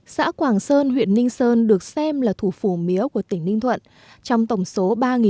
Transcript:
xã quảng sơn huyện ninh sơn được xem là thủ phủ mía của tỉnh ninh thuận trong tổng số ba ba trăm linh